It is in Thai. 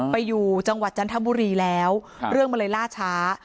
ไปอยู่จังหวัดจันทบุรีแล้วเรื่องมันเลยล่าช้า